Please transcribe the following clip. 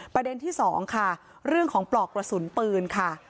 ประเด็นที่สองค่ะเรื่องของปลอกกระสุนปืนค่ะ